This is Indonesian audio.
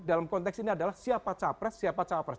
dalam konteks ini adalah siapa capres siapa cawapres